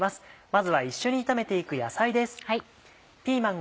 まずは一緒に炒めて行く野菜です。